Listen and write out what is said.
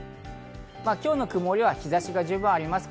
今日の曇りは日差しが十分あります。